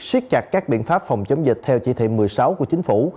siết chặt các biện pháp phòng chống dịch theo chỉ thị một mươi sáu của chính phủ